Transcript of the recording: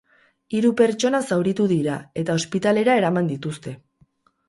Hiru pertsona zauritu dira, eta ospitalera eraman dituzte.